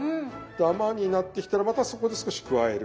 ダマになってきたらまたそこで少し加える。